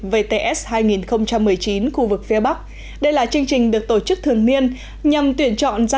vts hai nghìn một mươi chín khu vực phía bắc đây là chương trình được tổ chức thường niên nhằm tuyển chọn ra